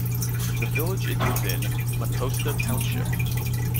The village is within Mecosta Township.